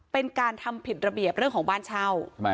เป็นการทำผิดระเบียบเรื่องของบ้านเช่า